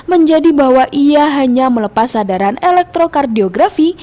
menjadi bahwa ia hanya melepas sadaran elektrokardiografi